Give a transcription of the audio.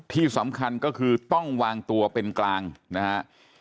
ที่สำคัญก็คือต้องวางตัวเป็นกลางนะฮะ